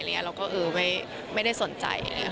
เราก็เออไม่ได้สนใจ